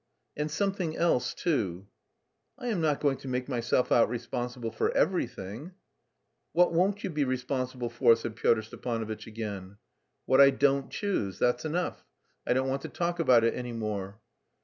"And something else too." "I am not going to make myself out responsible for everything." "What won't you be responsible for?" said Pyotr Stepanovitch again. "What I don't choose; that's enough. I don't want to talk about it any more."